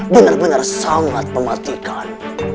benar benar sangat mematikan